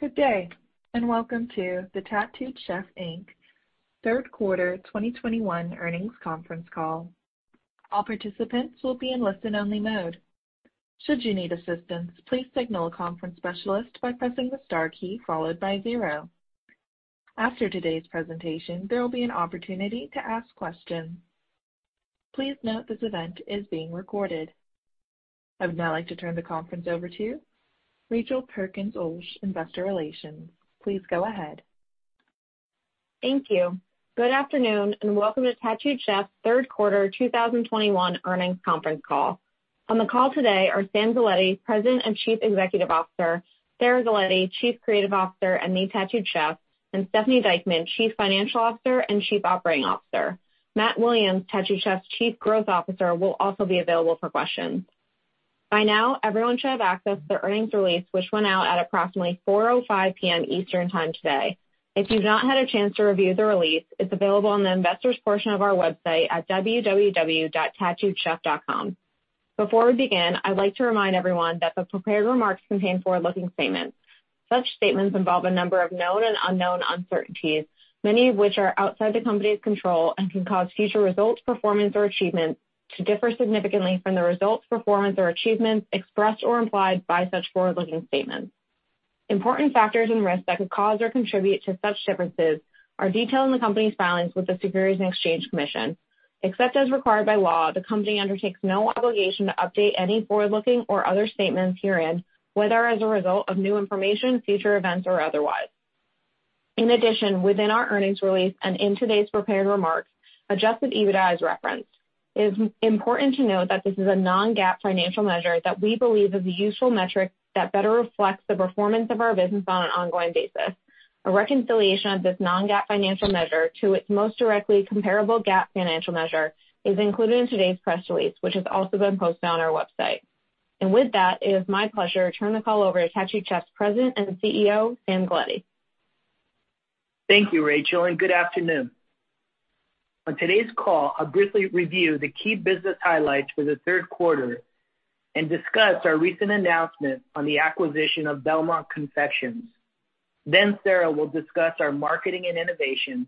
Good day, and welcome to Tattooed Chef, Inc. third quarter 2021 earnings conference call. All participants will be in listen-only mode. Should you need assistance, please signal a conference specialist by pressing the star key followed by zero. After today's presentation, there will be an opportunity to ask questions. Please note this event is being recorded. I would now like to turn the conference over to Rachel Perkins-Ulsh, Investor Relations. Please go ahead. Thank you. Good afternoon, and welcome to Tattooed Chef's third quarter 2021 earnings conference call. On the call today are Sam Galletti, President and Chief Executive Officer, Sarah Galletti, Chief Creative Officer and the Tattooed Chief, and Stephanie Dieckmann, Chief Financial Officer and Chief Operating Officer. Matt Williams, Tattooed Chef's Chief Growth Officer, will also be available for questions. By now, everyone should have accessed the earnings release, which went out at approximately 4:05 P.M. Eastern Time today. If you've not had a chance to review the release, it's available on the investors portion of our website at www.tattooedchef.com. Before we begin, I'd like to remind everyone that the prepared remarks contain forward-looking statements. Such statements involve a number of known and unknown uncertainties, many of which are outside the company's control and can cause future results, performance, or achievements to differ significantly from the results, performance, or achievements expressed or implied by such forward-looking statements. Important factors and risks that could cause or contribute to such differences are detailed in the company's filings with the Securities and Exchange Commission. Except as required by law, the company undertakes no obligation to update any forward-looking or other statements herein, whether as a result of new information, future events, or otherwise. In addition, within our earnings release and in today's prepared remarks, adjusted EBITDA is referenced. It is important to note that this is a non-GAAP financial measure that we believe is a useful metric that better reflects the performance of our business on an ongoing basis. A reconciliation of this non-GAAP financial measure to its most directly comparable GAAP financial measure is included in today's press release, which has also been posted on our website. With that, it is my pleasure to turn the call over to Tattooed Chef's President and CEO, Sam Galletti. Thank you, Rachel, and good afternoon. On today's call, I'll briefly review the key business highlights for the third quarter and discuss our recent announcement on the acquisition of Belmont Confections. Then Sarah will discuss our marketing and innovation,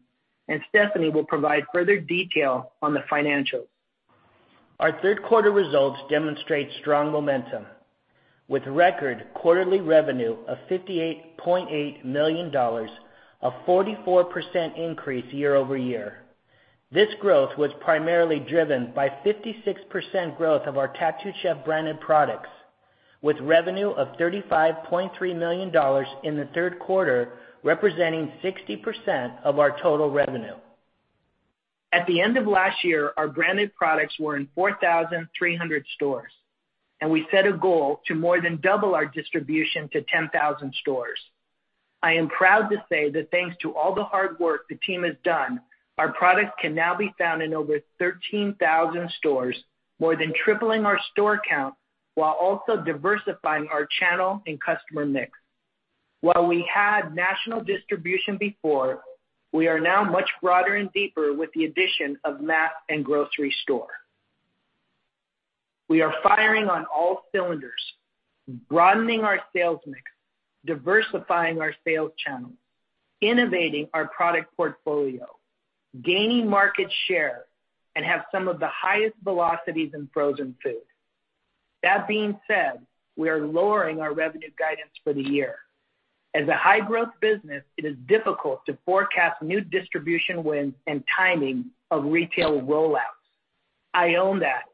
and Stephanie will provide further detail on the financials. Our third quarter results demonstrate strong momentum, with record quarterly revenue of $58.8 million, a 44% increase year over year. This growth was primarily driven by 56% growth of our Tattooed Chef branded products, with revenue of $35.3 million in the third quarter, representing 60% of our total revenue. At the end of last year, our branded products were in 4,300 stores, and we set a goal to more than double our distribution to 10,000 stores. I am proud to say that thanks to all the hard work the team has done, our products can now be found in over 13,000 stores, more than tripling our store count, while also diversifying our channel and customer mix. While we had national distribution before, we are now much broader and deeper with the addition of mass and grocery store. We are firing on all cylinders, broadening our sales mix, diversifying our sales channels, innovating our product portfolio, gaining market share, and have some of the highest velocities in frozen food. That being said, we are lowering our revenue guidance for the year. As a high-growth business, it is difficult to forecast new distribution wins and timing of retail rollouts. I own that.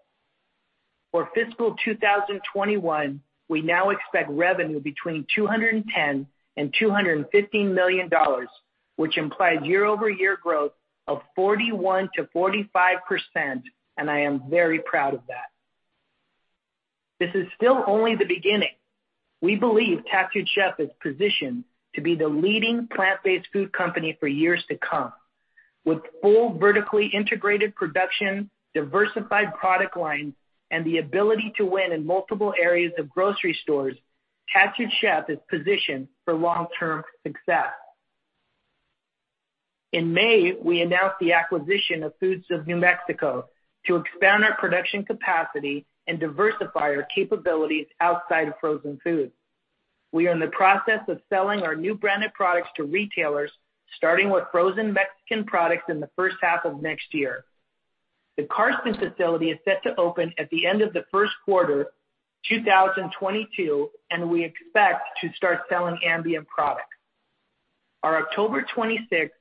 For fiscal 2021, we now expect revenue between $210 million and $215 million, which implies year-over-year growth of 41%-45%, and I am very proud of that. This is still only the beginning. We believe Tattooed Chef is positioned to be the leading plant-based food company for years to come. With full vertically integrated production, diversified product lines, and the ability to win in multiple areas of grocery stores, Tattooed Chef is positioned for long-term success. In May, we announced the acquisition of Foods of New Mexico to expand our production capacity and diversify our capabilities outside of frozen foods. We are in the process of selling our new branded products to retailers, starting with frozen Mexican products in the first half of next year. The Carson facility is set to open at the end of the first quarter 2022, and we expect to start selling ambient products. On October 26,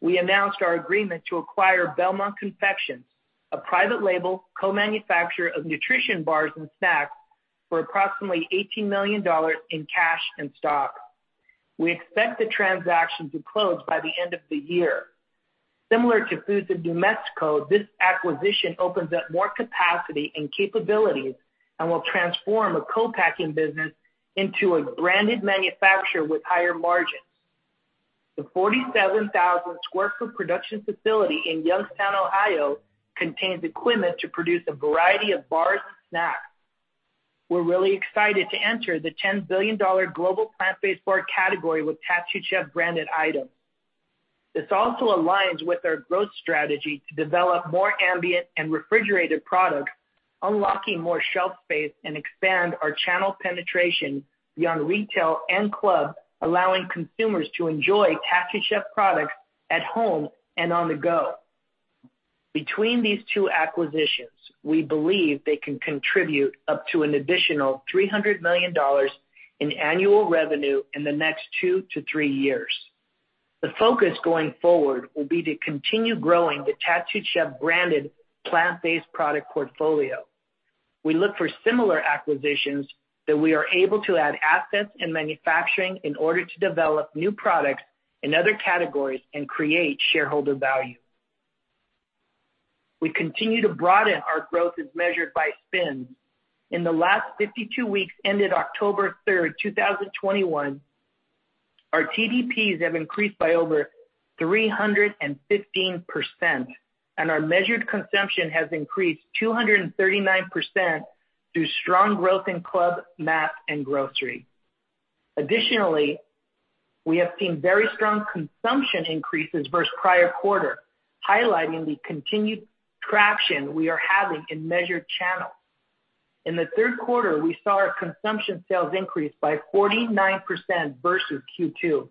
we announced our agreement to acquire Belmont Confections, a private label co-manufacturer of nutrition bars and snacks, for approximately $18 million in cash and stock. We expect the transaction to close by the end of the year. Similar to Foods of New Mexico, this acquisition opens up more capacity and capabilities and will transform a co-packing business into a branded manufacturer with higher margins. The 47,000 sq ft production facility in Youngstown, Ohio, contains equipment to produce a variety of bars and snacks. We're really excited to enter the $10 billion global plant-based bar category with Tattooed Chef branded items. This also aligns with our growth strategy to develop more ambient and refrigerated products, unlocking more shelf space and expand our channel penetration beyond retail and club, allowing consumers to enjoy Tattooed Chef products at home and on the go. Between these two acquisitions, we believe they can contribute up to an additional $300 million in annual revenue in the next two-three years. The focus going forward will be to continue growing the Tattooed Chef branded plant-based product portfolio. We look for similar acquisitions that we are able to add assets and manufacturing in order to develop new products in other categories and create shareholder value. We continue to broaden our growth as measured by SPINS. In the last 52 weeks ended October 3, 2021, our TDPs have increased by over 315%, and our measured consumption has increased 239% through strong growth in club, mass, and grocery. Additionally, we have seen very strong consumption increases versus prior quarter, highlighting the continued traction we are having in measured channels. In the third quarter, we saw our consumption sales increase by 49% versus Q2.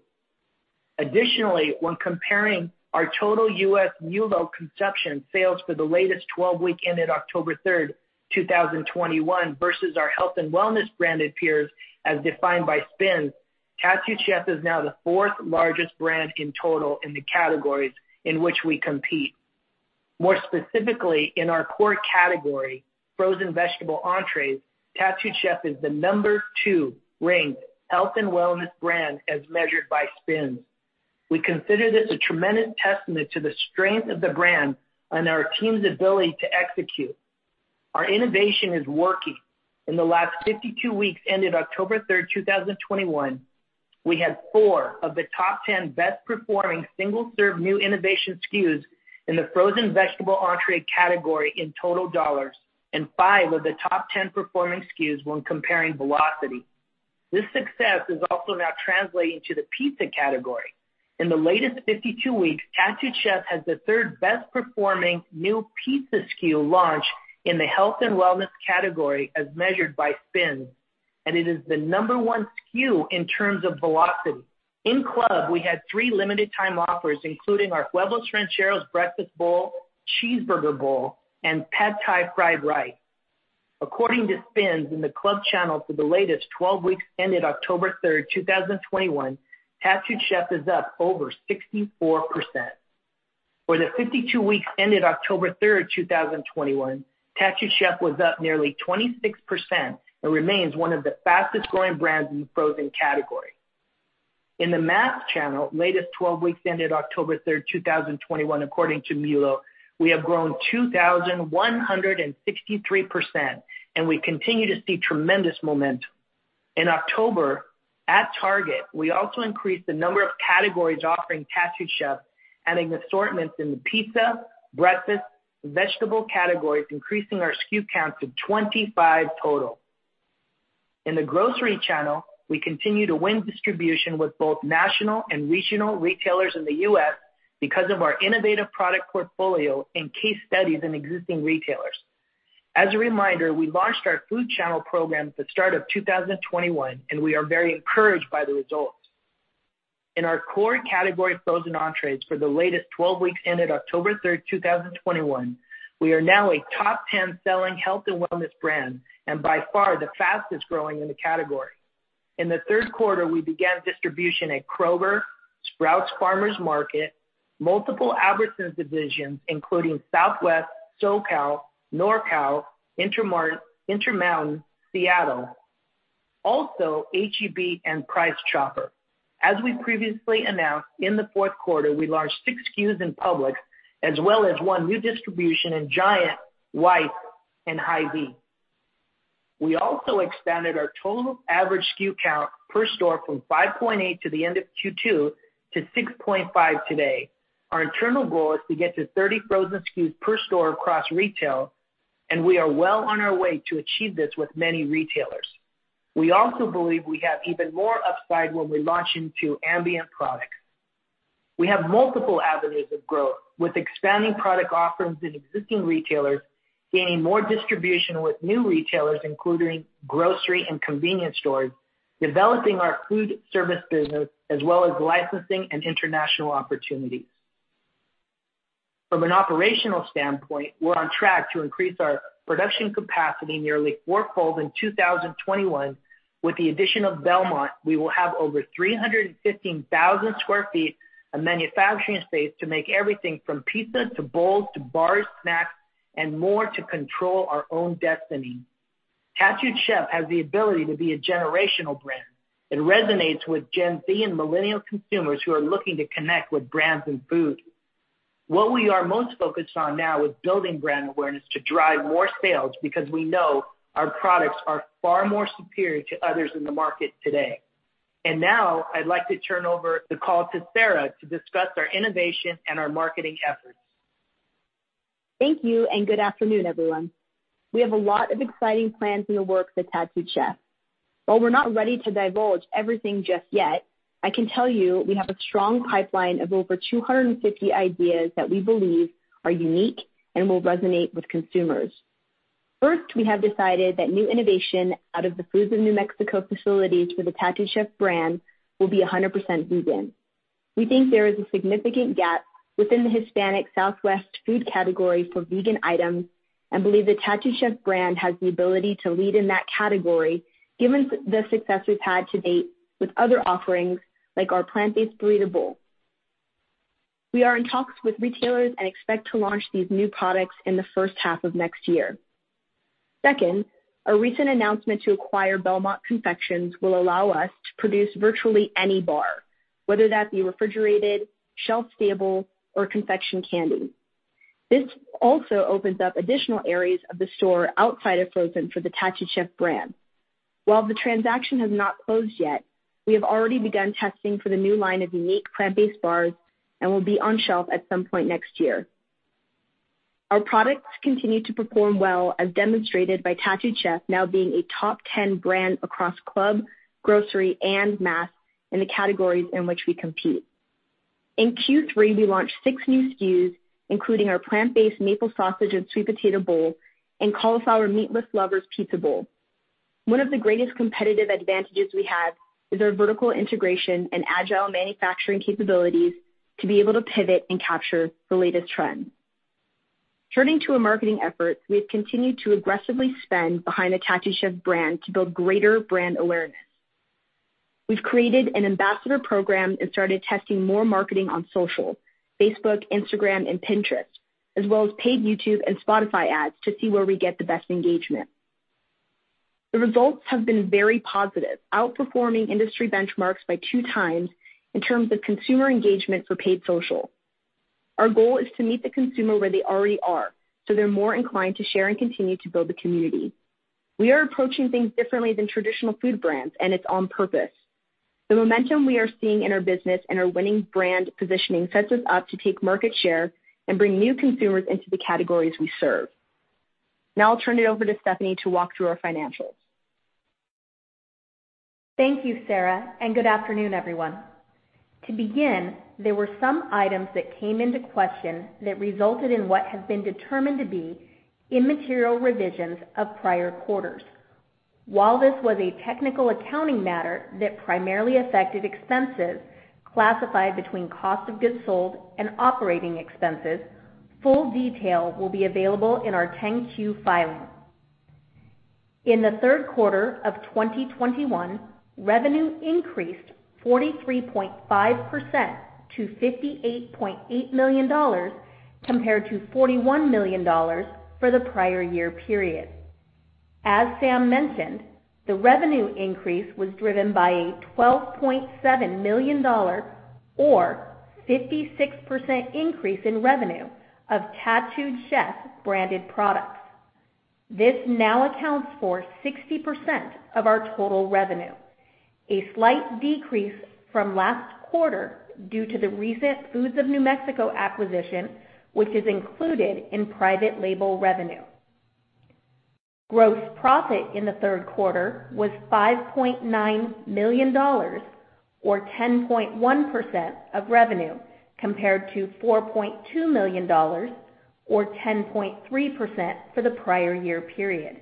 Additionally, when comparing our total U.S. MULO consumption sales for the latest 12-week ended October 3, 2021 versus our health and wellness branded peers as defined by SPINS, Tattooed Chef is now the fourth largest brand in total in the categories in which we compete. More specifically, in our core category, frozen vegetable entrees, Tattooed Chef is the number two ranked health and wellness brand as measured by SPINS. We consider this a tremendous testament to the strength of the brand and our team's ability to execute. Our innovation is working. In the last 52 weeks ended October 3, 2021, we had four of the top 10 best performing single-serve new innovation SKUs in the frozen vegetable entree category in total dollars, and five of the top 10 performing SKUs when comparing velocity. This success is also now translating to the pizza category. In the latest 52 weeks, Tattooed Chef has the 3rd best performing new pizza SKU launch in the health and wellness category as measured by SPINS, and it is the number 1 SKU in terms of velocity. In club, we had three limited time offers, including our Huevos Rancheros Breakfast Bowl, Cheeseburger Bowl, and Riced Cauliflower Pad Thai. According to SPINS, in the club channel for the latest 12 weeks ended October 3, 2021, Tattooed Chef is up over 64%. For the 52 weeks ended October 3, 2021, Tattooed Chef was up nearly 26% and remains one of the fastest growing brands in the frozen category. In the mass channel, latest 12 weeks ended October 3, 2021, according to MULO, we have grown 2,163%, and we continue to see tremendous momentum. In October, at Target, we also increased the number of categories offering Tattooed Chef, adding assortments in the pizza, breakfast, vegetable categories, increasing our SKU count to 25 total. In the grocery channel, we continue to win distribution with both national and regional retailers in the U.S. because of our innovative product portfolio and case studies in existing retailers. As a reminder, we launched our food channel program at the start of 2021, and we are very encouraged by the results. In our core category, frozen entrees, for the latest 12 weeks ended October 3, 2021, we are now a top 10 selling health and wellness brand, and by far the fastest growing in the category. In the third quarter, we began distribution at Kroger, Sprouts Farmers Market, multiple Albertsons divisions, including Southwest, SoCal, NorCal, Intermountain, Seattle. Also, H-E-B and Price Chopper. As we previously announced, in the fourth quarter, we launched six SKUs in Publix, as well as one new distribution in Giant, Weis, and Hy-Vee. We also expanded our total average SKU count per store from 5.8 at the end of Q2 to 6.5 today. Our internal goal is to get to 30 frozen SKUs per store across retail, and we are well on our way to achieve this with many retailers. We also believe we have even more upside when we launch into ambient products. We have multiple avenues of growth, with expanding product offerings in existing retailers, gaining more distribution with new retailers, including grocery and convenience stores, developing our food service business, as well as licensing and international opportunities. From an operational standpoint, we're on track to increase our production capacity nearly fourfold in 2021. With the addition of Belmont, we will have over 315,000 sq ft of manufacturing space to make everything from pizza to bowls to bars, snacks and more to control our own destiny. Tattooed Chef has the ability to be a generational brand. It resonates with Gen Z and millennial consumers who are looking to connect with brands and food. What we are most focused on now is building brand awareness to drive more sales because we know our products are far more superior to others in the market today. Now I'd like to turn over the call to Sarah to discuss our innovation and our marketing efforts. Thank you and good afternoon, everyone. We have a lot of exciting plans in the works at Tattooed Chef. While we're not ready to divulge everything just yet, I can tell you we have a strong pipeline of over 250 ideas that we believe are unique and will resonate with consumers. First, we have decided that new innovation out of the Foods of New Mexico facilities for the Tattooed Chef brand will be 100% vegan. We think there is a significant gap within the Hispanic Southwest food category for vegan items, and believe the Tattooed Chef brand has the ability to lead in that category, given the success we've had to date with other offerings like our plant-based burrito bowl. We are in talks with retailers and expect to launch these new products in the first half of next year. Second, a recent announcement to acquire Belmont Confections will allow us to produce virtually any bar, whether that be refrigerated, shelf-stable, or confection candy. This also opens up additional areas of the store outside of frozen for the Tattooed Chef brand. While the transaction has not closed yet, we have already begun testing for the new line of unique plant-based bars and will be on shelf at some point next year. Our products continue to perform well as demonstrated by Tattooed Chef now being a top 10 brand across club, grocery, and mass in the categories in which we compete. In Q3, we launched six new SKUs, including our plant-based Maple Sausage & Sweet Potato Bowl and Cauliflower Pizza Bowl Meatless Lovers. One of the greatest competitive advantages we have is our vertical integration and agile manufacturing capabilities to be able to pivot and capture the latest trends. Turning to our marketing efforts, we have continued to aggressively spend behind the Tattooed Chef brand to build greater brand awareness. We've created an ambassador program and started testing more marketing on social, Facebook, Instagram, and Pinterest, as well as paid YouTube and Spotify ads to see where we get the best engagement. The results have been very positive, outperforming industry benchmarks by two times in terms of consumer engagement for paid social. Our goal is to meet the consumer where they already are, so they're more inclined to share and continue to build the community. We are approaching things differently than traditional food brands, and it's on purpose. The momentum we are seeing in our business and our winning brand positioning sets us up to take market share and bring new consumers into the categories we serve. Now I'll turn it over to Stephanie to walk through our financials. Thank you, Sarah, and good afternoon, everyone. To begin, there were some items that came into question that resulted in what has been determined to be immaterial revisions of prior quarters. While this was a technical accounting matter that primarily affected expenses classified between cost of goods sold and operating expenses, full detail will be available in our 10-Q filing. In the third quarter of 2021, revenue increased 43.5% to $58.8 million, compared to $41 million for the prior year period. As Sam mentioned, the revenue increase was driven by a $12.7 million or 56% increase in revenue of Tattooed Chef branded products. This now accounts for 60% of our total revenue, a slight decrease from last quarter due to the recent Foods of New Mexico acquisition, which is included in private label revenue. Gross profit in the third quarter was $5.9 million or 10.1% of revenue, compared to $4.2 million or 10.3% for the prior year period.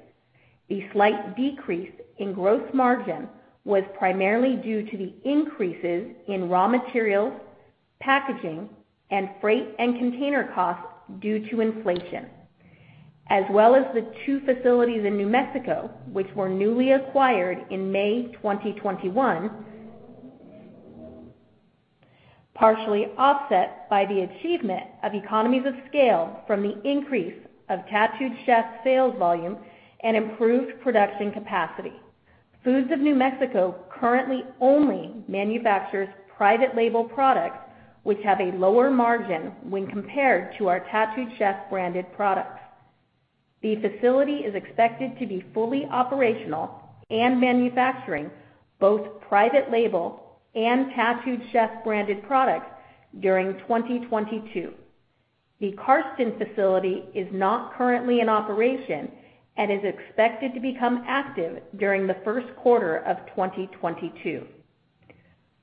The slight decrease in gross margin was primarily due to the increases in raw materials, packaging, and freight and container costs due to inflation, as well as the two facilities in New Mexico, which were newly acquired in May 2021, partially offset by the achievement of economies of scale from the increase of Tattooed Chef sales volume and improved production capacity. Foods of New Mexico currently only manufactures private label products, which have a lower margin when compared to our Tattooed Chef branded products. The facility is expected to be fully operational and manufacturing both private label and Tattooed Chef branded products during 2022. The Carson facility is not currently in operation and is expected to become active during the first quarter of 2022.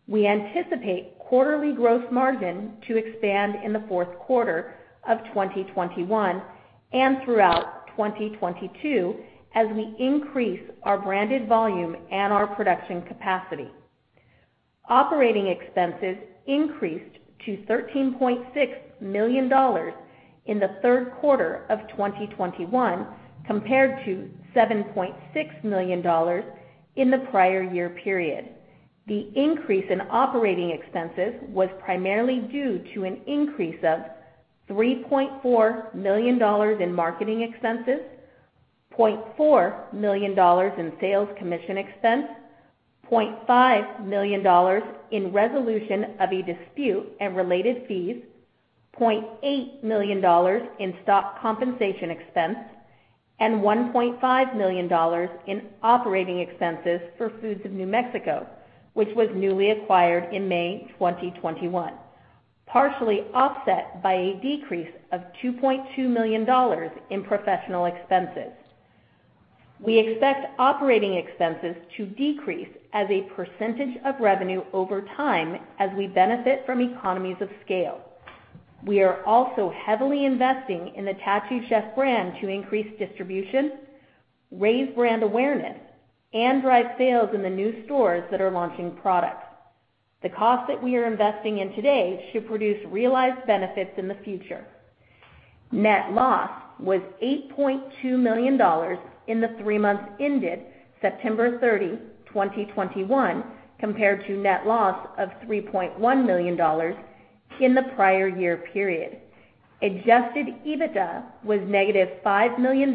We anticipate quarterly gross margin to expand in the fourth quarter of 2021 and throughout 2022 as we increase our branded volume and our production capacity. Operating expenses increased to $13.6 million in the third quarter of 2021, compared to $7.6 million in the prior year period. The increase in operating expenses was primarily due to an increase of $3.4 million in marketing expenses, $0.4 million in sales commission expense, $0.5 million in resolution of a dispute and related fees, $0.8 million in stock compensation expense, and $1.5 million in operating expenses for Foods of New Mexico, which was newly acquired in May 2021, partially offset by a decrease of $2.2 million in professional expenses. We expect operating expenses to decrease as a percentage of revenue over time as we benefit from economies of scale. We are also heavily investing in the Tattooed Chef brand to increase distribution, raise brand awareness, and drive sales in the new stores that are launching products. The cost that we are investing in today should produce realized benefits in the future. Net loss was $8.2 million in the three months ended September 30, 2021, compared to net loss of $3.1 million in the prior year period. Adjusted EBITDA was -$5 million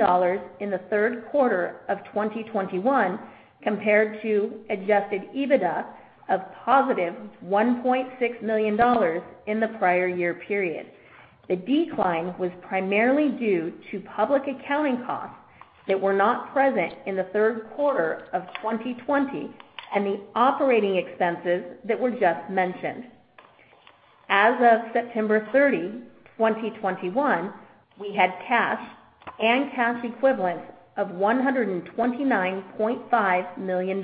in the third quarter of 2021 compared to adjusted EBITDA of $1.6 million in the prior year period. The decline was primarily due to public accounting costs that were not present in the third quarter of 2020 and the operating expenses that were just mentioned. As of September 30, 2021, we had cash and cash equivalents of $129.5 million.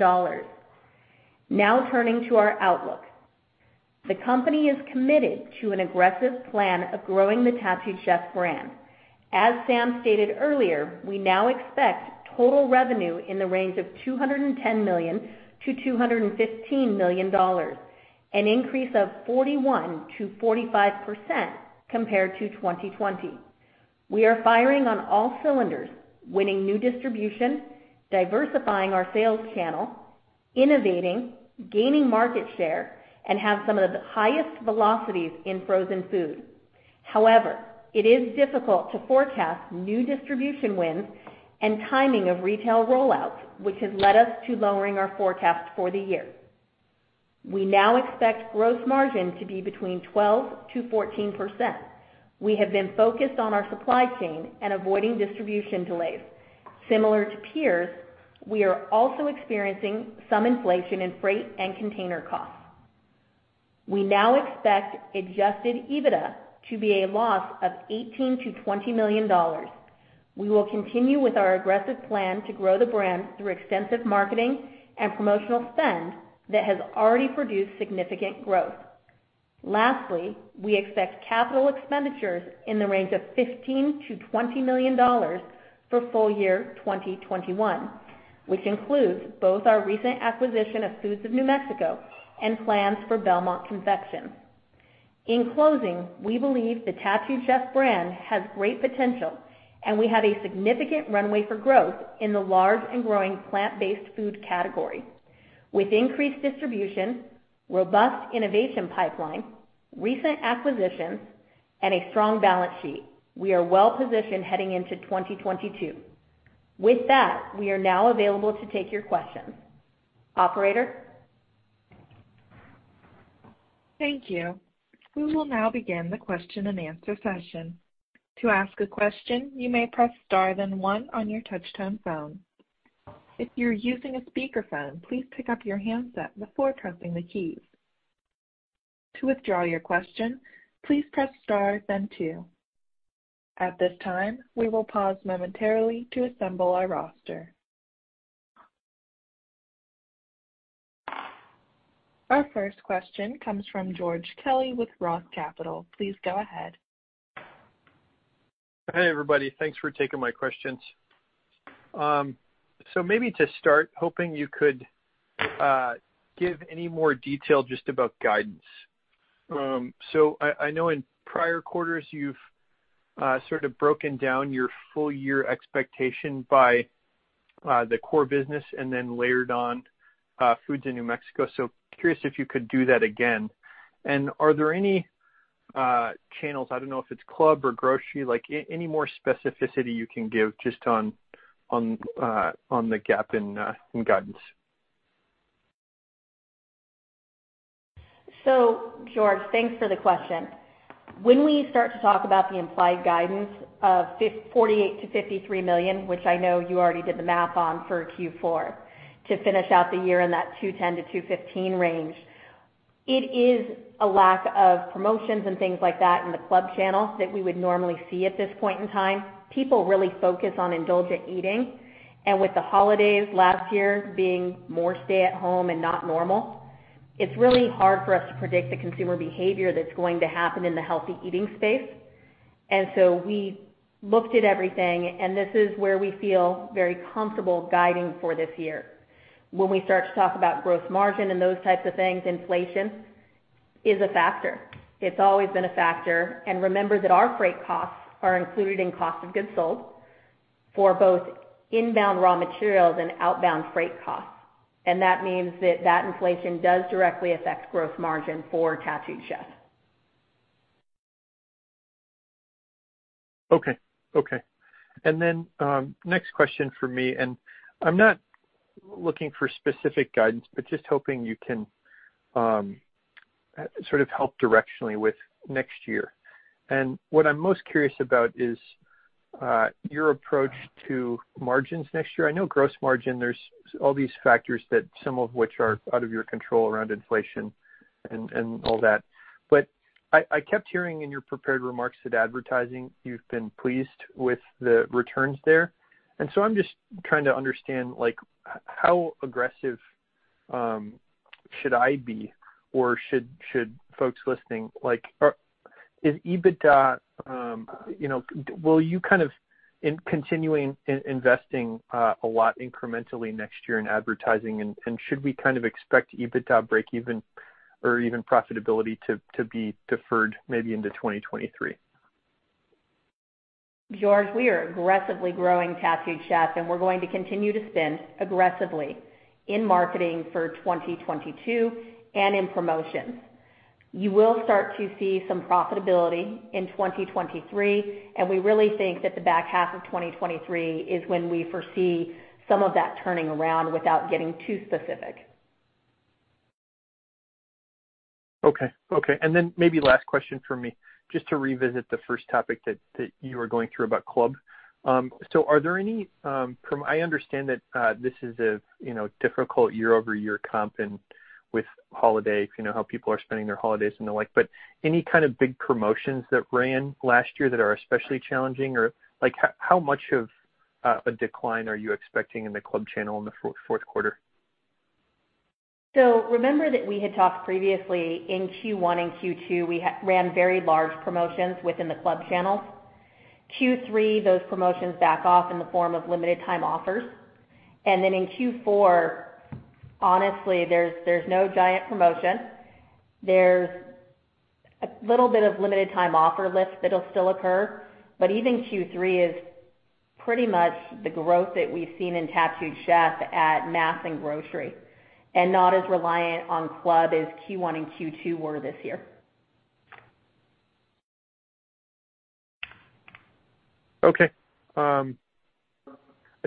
Now turning to our outlook. The company is committed to an aggressive plan of growing the Tattooed Chef brand. As Sam stated earlier, we now expect total revenue in the range of $210 million-$215 million, an increase of 41%-45% compared to 2020. We are firing on all cylinders, winning new distribution, diversifying our sales channel, innovating, gaining market share and have some of the highest velocities in frozen food. However, it is difficult to forecast new distribution wins and timing of retail rollouts, which has led us to lowering our forecast for the year. We now expect gross margin to be between 12%-14%. We have been focused on our supply chain and avoiding distribution delays. Similar to peers, we are also experiencing some inflation in freight and container costs. We now expect adjusted EBITDA to be a loss of $18 million-$20 million. We will continue with our aggressive plan to grow the brand through extensive marketing and promotional spend that has already produced significant growth. Lastly, we expect capital expenditures in the range of $15 million-$20 million for full year 2021, which includes both our recent acquisition of Foods of New Mexico and plans for Belmont Confections. In closing, we believe the Tattooed Chef brand has great potential, and we have a significant runway for growth in the large and growing plant-based food category. With increased distribution, robust innovation pipeline, recent acquisitions, and a strong balance sheet, we are well positioned heading into 2022. With that, we are now available to take your questions. Operator? Thank you. We will now begin the question-and-answer session. To ask a question, you may press star then one on your touchtone phone. If you're using a speakerphone, please pick up your handset before pressing the keys. To withdraw your question, please press star then two. At this time, we will pause momentarily to assemble our roster. Our first question comes from George Kelly with ROTH Capital. Please go ahead. Hey, everybody. Thanks for taking my questions. Maybe to start, hoping you could give any more detail just about guidance. I know in prior quarters you've sort of broken down your full year expectation by the core business and then layered on Foods of New Mexico. Curious if you could do that again. Are there any channels, I don't know if it's club or grocery, any more specificity you can give just on the gap in guidance? George, thanks for the question. When we start to talk about the implied guidance of $48 million-$53 million, which I know you already did the math on for Q4 to finish out the year in that $210 million-$215 million range, it is a lack of promotions and things like that in the club channel that we would normally see at this point in time. People really focus on indulgent eating, and with the holidays last year being more stay at home and not normal, it's really hard for us to predict the consumer behavior that's going to happen in the healthy eating space. We looked at everything, and this is where we feel very comfortable guiding for this year. When we start to talk about gross margin and those types of things, inflation is a factor. It's always been a factor. Remember that our freight costs are included in cost of goods sold for both inbound raw materials and outbound freight costs. That means that inflation does directly affect gross margin for Tattooed Chef. Okay. Next question for me. I'm not looking for specific guidance, but just hoping you can sort of help directionally with next year. What I'm most curious about is your approach to margins next year. I know gross margin, there's all these factors that some of which are out of your control around inflation and all that. I kept hearing in your prepared remarks that advertising, you've been pleased with the returns there. I'm just trying to understand like, how aggressive should I be or should folks listening, like, is EBITDA, you know, will you kind of continue investing a lot incrementally next year in advertising and should we kind of expect EBITDA breakeven or even profitability to be deferred maybe into 2023? George, we are aggressively growing Tattooed Chef, and we're going to continue to spend aggressively in marketing for 2022 and in promotions. You will start to see some profitability in 2023, and we really think that the back half of 2023 is when we foresee some of that turning around without getting too specific. Okay. Maybe last question for me, just to revisit the first topic that you were going through about club. Are there any, I understand that this is a, you know, difficult year-over-year comp and with holiday, you know, how people are spending their holidays and the like, but any kind of big promotions that ran last year that are especially challenging or like how much of a decline are you expecting in the club channel in the fourth quarter? Remember that we had talked previously in Q1 and Q2, we ran very large promotions within the club channels. Q3, those promotions back off in the form of limited time offers. Then in Q4, honestly, there's no giant promotion. There's a little bit of limited time offer lift that'll still occur. Even Q3 is pretty much the growth that we've seen in Tattooed Chef at mass and grocery, and not as reliant on club as Q1 and Q2 were this year. Okay. I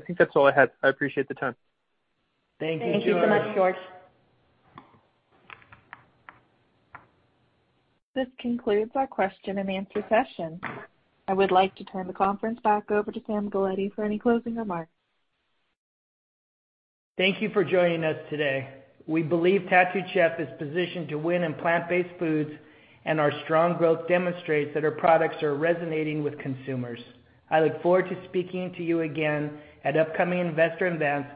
think that's all I had. I appreciate the time. Thank you so much, George. This concludes our question-and-answer session. I would like to turn the conference back over to Sam Galletti for any closing remarks. Thank you for joining us today. We believe Tattooed Chef is positioned to win in plant-based foods, and our strong growth demonstrates that our products are resonating with consumers. I look forward to speaking to you again at upcoming investor events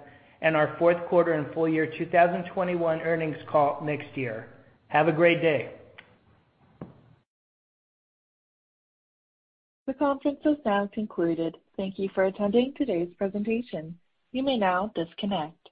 and our fourth quarter and full year 2021 earnings call next year. Have a great day. The conference is now concluded. Thank you for attending today's presentation. You may now disconnect.